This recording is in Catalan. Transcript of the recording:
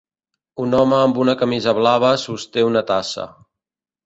Un home amb una camisa blava sosté una tassa.